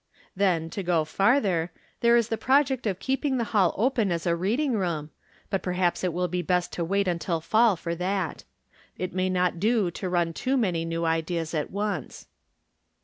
Then, to go farther, there is the project of keep ing the hall open as a reading room, but perhaps it will be best to wait until fall for that. It may not do to run too many new ideas at once.